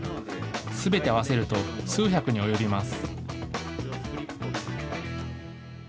すべて合わせると数百に及びます。